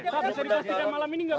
pak bisa dipastikan malam ini nggak pak